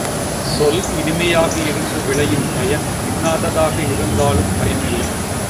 சொல் இனிமையாக இருந்து விளையும் பயன் இன்னாததாக இருந்தாலும் பயனில்லை.